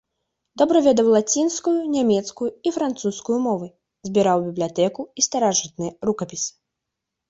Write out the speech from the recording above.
Добра ведаў лацінскую, нямецкую і французскую мовы, збіраў бібліятэку і старажытныя рукапісы.